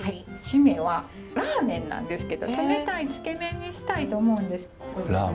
〆はラーメンなんですけど冷たいつけ麺にしたいと思うんです。